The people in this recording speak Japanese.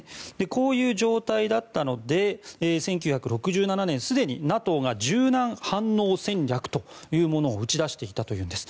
こういう状態だったので１９６７年すでにＮＡＴＯが柔軟反応戦略というのを打ち出していたというんです。